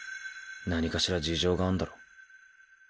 何かしら事情があんだろ。